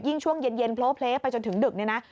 ยิ่งช่วงเย็นโพร่เพลสไปจนถึงดึกนี่นะ